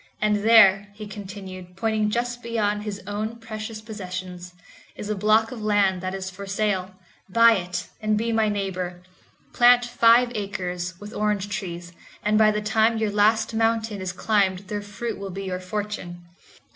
And there," he continued, pointing just beyond his own precious possessions, "is a block of land that is for sale; buy it and be my neighbor; plant five acres with orange trees, and by the time your last mountain is climbed their fruit will be your fortune."